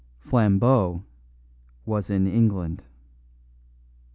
Flambeau was in England.